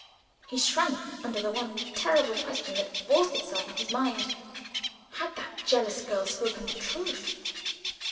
He shrank under the one terrible question that forced itself on his mind: Had that jealous girl spoken the truth?